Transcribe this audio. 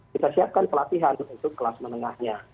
kita siapkan pelatihan untuk kelas menengahnya